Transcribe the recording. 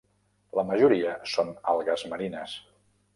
La majoria són algues marines.